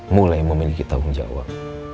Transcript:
mulai memiliki tanggung jawab